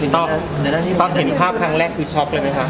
ตอนเห็นภาพครั้งแรกคือช็อกเลยไหมคะ